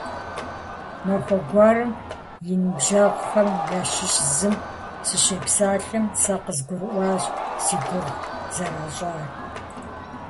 Махуэ гуэрым и ныбжьэгъухэм ящыщ зым сыщепсалъэм, сэ къызгурыӀуащ си гугъу зэращӀар.